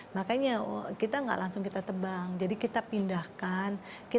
nanti kita taruh lagi untuk di lokasi lain